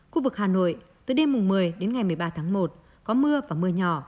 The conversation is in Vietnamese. khu vực hà nội từ đêm một mươi một mươi ba một có mưa và mưa nhỏ